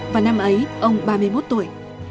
và năm ấy ông ba mươi một tuổi